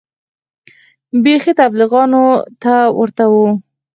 بيخي تبليغيانو ته ورته و.